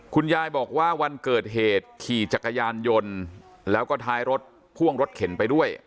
คุณยายบอกว่าวันเกิดเหตุขี่จักรยานยนต์แล้วก็ท้ายรถพ่วงรถเข็นไปด้วย